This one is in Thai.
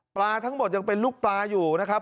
ปลาทั้งหมดยังเป็นลูกปลาอยู่นะครับ